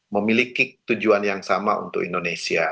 memiliki tujuan yang sama untuk indonesia